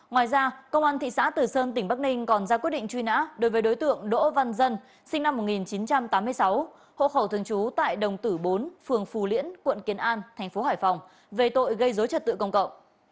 ngoài ra công an thị xã từ sơn tỉnh bắc ninh còn ra quyết định truy nã đối với đối tượng đỗ văn dân sinh năm một nghìn chín trăm tám mươi sáu hộ khẩu thường trú tại đồng tử bốn phường phù liễn quận kiến an tp hải phòng về tội gây dối trật tự công cộng